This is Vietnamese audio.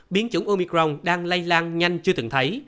biến chủng omicron đang lây lan nhanh chưa từng thấy